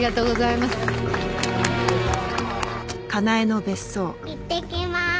いってきまーす。